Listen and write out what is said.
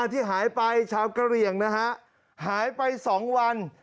ที่หายไปชาวกระเหลี่ยงนะฮะหายไป๒วัน